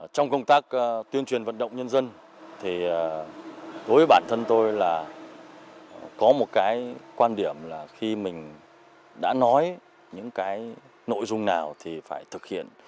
trong công tác tuyên truyền vận động nhân dân thì với bản thân tôi là có một cái quan điểm là khi mình đã nói những cái nội dung nào thì phải thực hiện